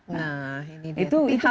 nah ini dia